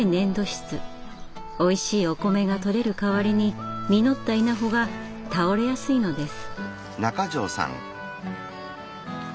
おいしいお米がとれる代わりに実った稲穂が倒れやすいのです。